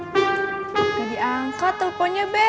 gak diangkat telfonnya be